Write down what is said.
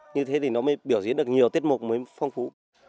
như thế thì nó mới biểu diễn được nhiều tiết mục mới phong phú